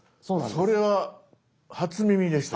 それは初耳でした。